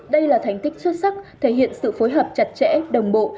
đây là thành tích xuất sắc thể hiện sự phối hợp chặt chẽ đồng bộ